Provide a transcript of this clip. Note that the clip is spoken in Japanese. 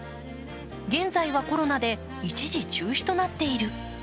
現在はコロナで一時中止となっている。